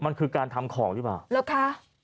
มันคือการทำของใช่ไหมครับแล้วค่ะ